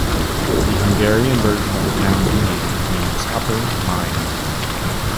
The Hungarian version of the town's name means "Upper Mine".